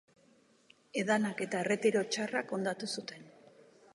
Edanak eta erretiro txarrak hondatu zuten.